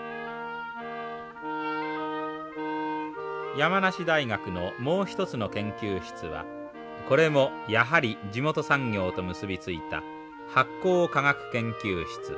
山梨大学のもう一つの研究室はこれもやはり地元産業と結び付いた発酵科学研究室。